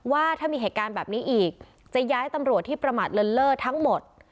ว่าถ้ามีเหตุการณ์แบบนี้อีกจะย้ายตำรวจที่ประมาทเลินเล่อทั้งหมด